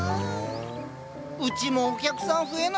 うちもお客さん増えないかなあ。